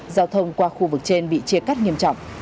giao thông qua khu vực trên bị chia cắt nghiêm trọng